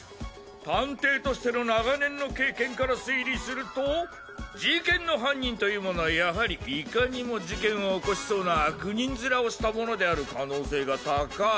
探偵としての長年の経験から推理すると事件の犯人というものはやはりいかにも事件を起こしそうな悪人ヅラをした者である可能性が高い。